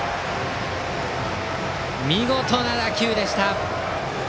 見事な打球でした。